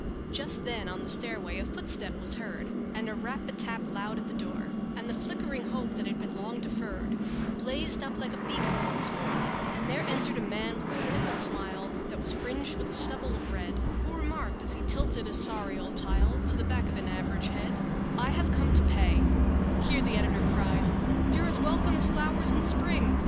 Just then on the stairway a footstep was heard And a rap a tap loud at the door, And the flickering hope that had been long deferred Blazed up like a beacon once more; And there entered a man with a cynical smile That was fringed with a stubble of red, Who remarked, as he tilted a sorry old tile To the back of an average head: "I have come here to pay" Here the editor cried "You're as welcome as flowers in spring!